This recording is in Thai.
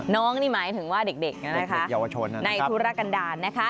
น้องนี่หมายถึงว่าเด็กในธุรกันดาล